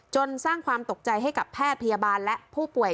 สร้างความตกใจให้กับแพทย์พยาบาลและผู้ป่วย